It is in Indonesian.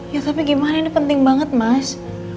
ya tapi gimana ini penting banget mas